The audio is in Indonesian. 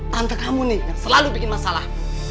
tante kamu nih yang selalu bikin masalah